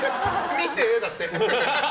「見て」だって。